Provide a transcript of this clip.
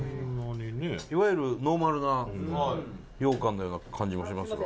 いわゆるノーマルな羊羹のような感じもしますが。